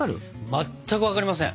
まったく分かりません。